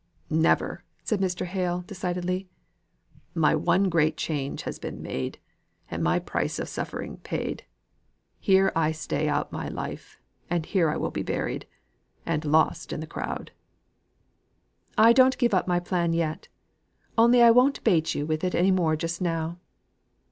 "Never," said Mr. Hale, decidedly. "My one great change has been made and my price of suffering paid. Here I stay out my life; and here will I be buried, and lost in the crowd." "I don't give up my plan yet. Only I won't bait you with it any more just now.